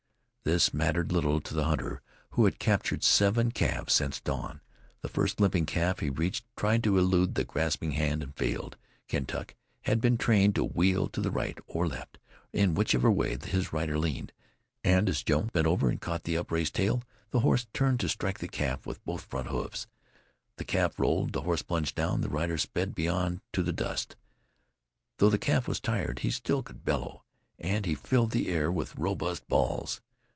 This mattered little to the hunter who had captured seven calves since dawn. The first limping calf he reached tried to elude the grasping hand and failed. Kentuck had been trained to wheel to the right or left, in whichever way his rider leaned; and as Jones bent over and caught an upraised tail, the horse turned to strike the calf with both front hoofs. The calf rolled; the horse plunged down; the rider sped beyond to the dust. Though the calf was tired, he still could bellow, and he filled the air with robust bawls.